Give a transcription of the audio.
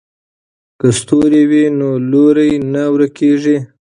که ستوری وي نو لوری نه ورکیږي.